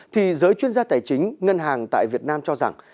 thì giới chuyên gia tài chính ngân hàng tại việt nam cho rằng